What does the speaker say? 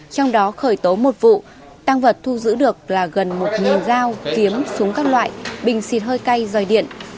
trong đó khởi tố một vụ tăng vật thu giữ được là gần một dao kiếm súng các loại bình xịt hơi cay dòi điện